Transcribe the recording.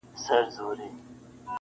• کور ساړه او دروند دی او ژوند پکي بند..